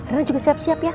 rena juga siap siap ya